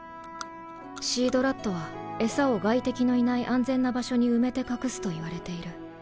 シードラットは餌を外敵のいない安全な場所に埋めて隠すといわれている。